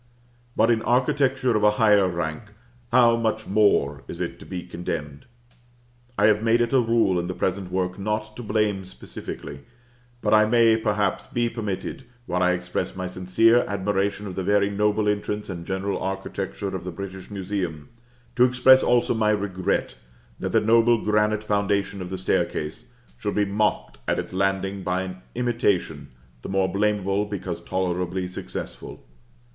But in architecture of a higher rank, how much more is it to be condemned? I have made it a rule in the present work not to blame specifically; but I may, perhaps, be permitted, while I express my sincere admiration of the very noble entrance and general architecture of the British Museum, to express also my regret that the noble granite foundation of the staircase should be mocked at its landing by an imitation, the more blameable because tolerably successful.